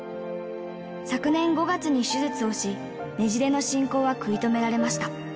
昨年５月に手術をし、ねじれの進行は食い止められました。